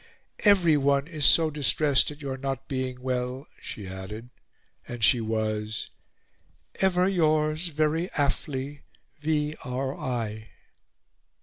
"Everyone is so distressed at your not being well," she added; and she was, "Ever yours very aff'ly V.R.I."